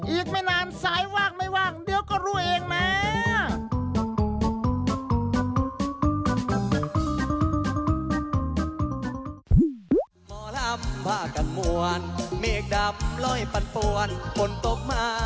อีกไม่นานสายว่างไม่ว่างเดี๋ยวก็รู้เองนะ